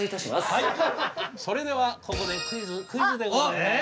はいそれではここでクイズクイズでございます。